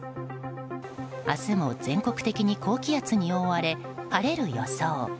明日も全国的に高気圧に覆われ晴れる予想。